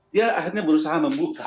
dia akhirnya berusaha membuka